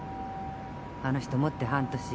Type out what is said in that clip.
あの人もって半年。